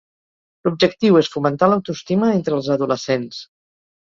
L'objectiu és fomentar l'autoestima entre els adolescents.